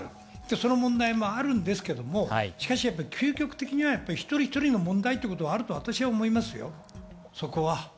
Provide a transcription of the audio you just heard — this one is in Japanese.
その問題もあるんですが、究極的には一人一人の問題ということもあると私は思いますよ。